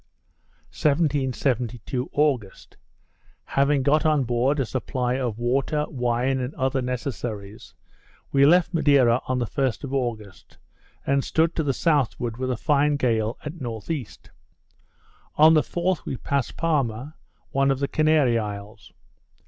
1772 August Having got on board a supply of water, wine, and other necessaries, we left Madeira on the 1st of August, and stood to the southward with a fine gale at N.E. On the 4th we passed Palma, one of the Canary isles.